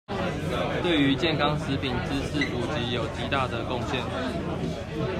對於健康食品知識普及有極大的貢獻